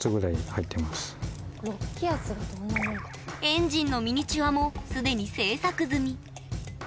エンジンのミニチュアも既に制作済み。